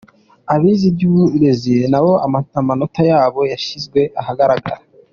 Abize iby’uburezi nabo amanota yabo yashyizwe ahagaragara